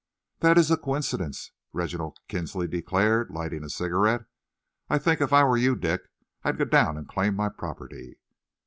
"This is a coincidence," Reginald Kinsley declared, lighting a cigarette. "I think, if I were you, Dick, I'd go down and claim my property."